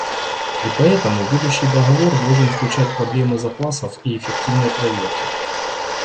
И поэтому будущий договор должен включать проблемы запасов и эффективной проверки.